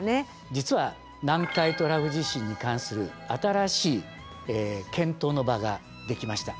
実は南海トラフ地震に関する新しい検討の場ができました。